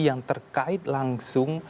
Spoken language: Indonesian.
yang terkait langsung